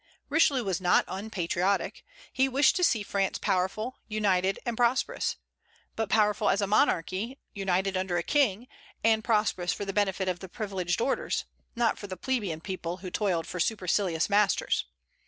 Richelieu was not unpatriotic. He wished to see France powerful, united, and prosperous; but powerful as a monarchy, united under a king, and prosperous for the benefit of the privileged orders, not for the plebeian people, who toiled for supercilious masters.